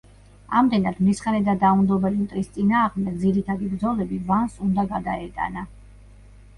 ამდენად, მრისხანე და დაუნდობელი მტრის წინააღმდეგ ძირითადი ბრძოლები ვანს უნდა გადაეტანა.